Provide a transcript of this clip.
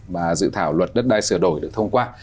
mà dự thảo luật đất đai sửa đổi được thông qua